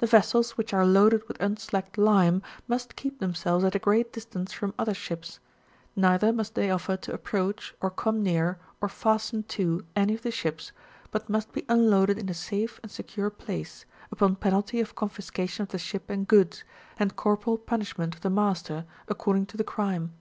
The vessels which are loaded with unslacked lime, must keep themselves at a great distance from other ships; neither must they offer to approach, or come near, or fasten to, any of the ships, but must be unloaded m a safe ana secure place, upon penalty of confiscation of the ship and goods, and corporal punishment of the master, according to the crime.